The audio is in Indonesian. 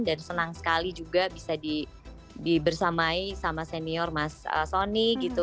dan senang sekali juga bisa di bersamai sama senior mas sony gitu